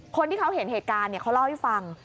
คนที่เขาเห็นเหตุการณ์เขาเล่าให้ฟัง